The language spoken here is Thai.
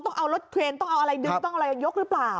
ต้องเอารถเครนต้องเอาอะไรดึงต้องอะไรยกหรือเปล่า